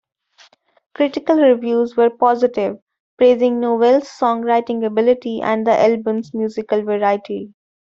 Critical reviews were positive, praising Nowell's songwriting ability and the album's musical variety.